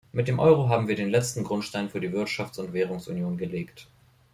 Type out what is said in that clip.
Mit dem Euro haben wir den letzten Grundstein für die Wirtschafts- und Währungsunion gelegt.